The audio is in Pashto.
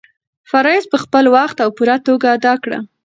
فرایض په خپل وخت او پوره توګه ادا کړه.